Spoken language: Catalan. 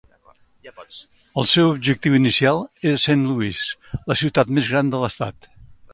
El seu objectiu inicial era Saint Louis, la ciutat més gran de l'estat.